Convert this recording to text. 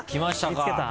見つけた？